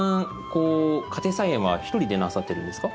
こう家庭菜園は１人でなさってるんですか？